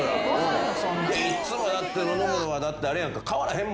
いやいつもだって野々村はあれやんか変わらへんもん。